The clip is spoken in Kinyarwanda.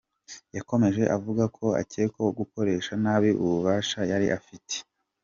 Yakomeje avuga ko ‘akekwaho gukoresha nabi ububasha yari afite.